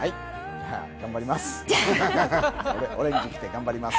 じゃあ、頑張ります。